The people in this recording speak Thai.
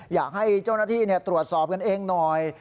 อยากให้เจ้าหน้าที่ตรวจสอบกันเองหน่อย